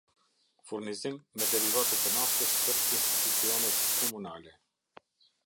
Furnizim me derivate të naftës për Institucionet komunale